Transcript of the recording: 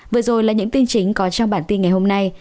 vừa rồi là những tin chính có trong bản tin ngày hôm nay